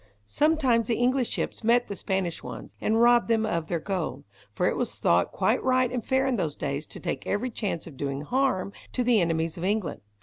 Sometimes the English ships met the Spanish ones, and robbed them of their gold, for it was thought quite right and fair in those days to take every chance of doing harm to the enemies of England.